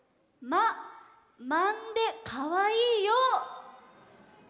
「まんでかわいいよ」。